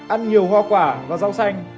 ăn nhiều hoa quả và rau xanh